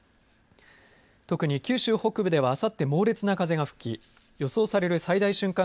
特に九州北部ではあさって猛烈な風が吹き予想される最大瞬間